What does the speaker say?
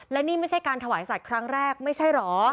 และนี่ไม่ใช่การถวายสัตว์ครั้งแรกไม่ใช่เหรอ